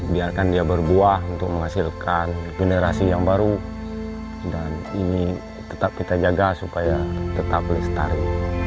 biarkan dia berbuah untuk menghasilkan generasi yang baru dan ini tetap kita jaga supaya tetap lestari